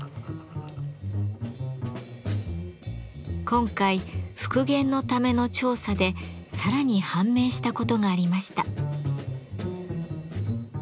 今回復元のための調査でさらに判明したことがありました。